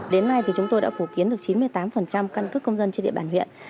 đến nay thì chúng tôi đã phủ kiến được chín mươi tám căn cước công dân trên địa bàn huyện